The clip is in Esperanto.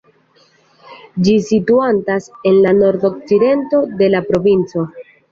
Ĝi situantas en la nordokcidento de la provinco.